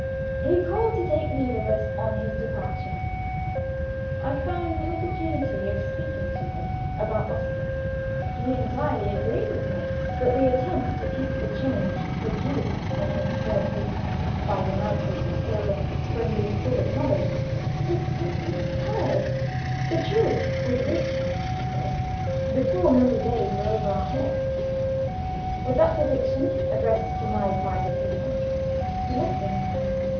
He called to take leave of us on his departure. I found an opportunity of speaking to him about Oscar. He entirely agreed with me that the attempt to keep the change produced in his former patient by the Nitrate of Silver from Lucilla's knowledge, was simply absurd. The truth would reach her, he said, before many days were over our heads. With that prediction, addressed to my private ear, he left us.